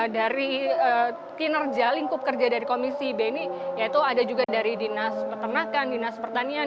dari kinerja lingkup kerja dari komisi b ini yaitu ada juga dari dinas peternakan dinas pertanian